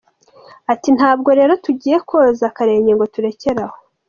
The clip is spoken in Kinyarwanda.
Ati "Ntabwo rero tugiye koza akarenge ngo turekere aho.